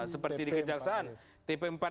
seperti di kejaksaan tp empat